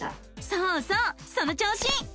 そうそうその調子！